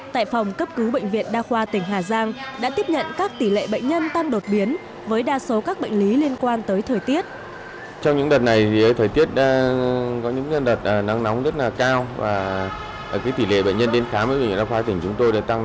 tại phòng cấp cứu bệnh viện đa khoa tỉnh hà giang đã tiếp nhận các tỷ lệ bệnh nhân tăng đột biến với đa số các bệnh lý liên quan tới thời tiết